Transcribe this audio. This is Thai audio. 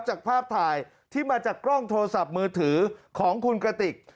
จากภาพถ่ายที่มาจากกล้องโทรศัพท์มือถือของคุณกระติก